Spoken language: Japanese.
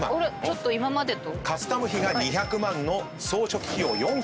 ちょっと今までと。